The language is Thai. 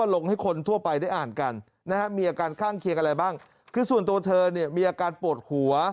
ลงให้คนทั่วไปได้อ่านกันนะฮะมีอาการข้างเคียงอะไรบ้างคือส่วนตัวเธอเนี่ยมีอาการปวดหัว